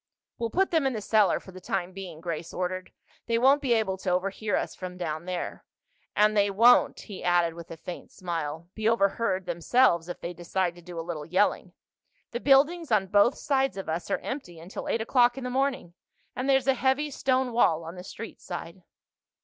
"We'll put them in the cellar for the time being," Grace ordered. "They won't be able to overhear us from down there. And they won't," he added with a faint smile, "be overheard themselves if they decided to do a little yelling. The buildings on both sides of us are empty until eight o'clock in the morning—and there's a heavy stone wall on the street side."